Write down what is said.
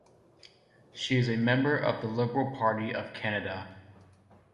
She is a member of the Liberal Party of Canada.